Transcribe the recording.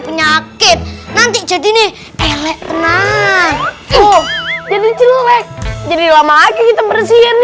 penyakit nanti jadi nih elek tenang oh jadi jelek jadi lama kita bersihnya jadi